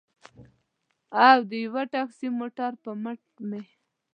او د یوه ټکسي موټر پر مټ مې.